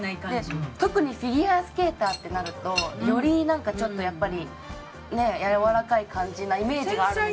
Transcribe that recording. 特にフィギュアスケーターってなるとよりなんかちょっとやっぱりねやわらかい感じなイメージがあるんですよね。